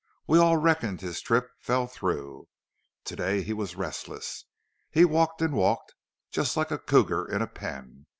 We all reckoned his trip fell through. Today he was restless. He walked an' walked just like a cougar in a pen.